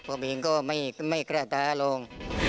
ผมเองก็ไม่กล้าท้าลอง